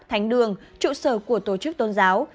thánh đường trụ sở của tổ chức tôn giáo